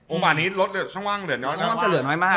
อุปาลนี้ลดช่องว่างเหลือน้อยช่องว่างจะเหลือน้อยมาก